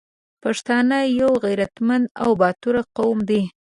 پښتانه یو غریتمند او باتور قوم دی